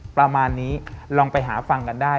ประมาณนี้ลองไปหาฟังกันได้